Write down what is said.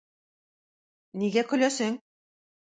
Нигә көләсең?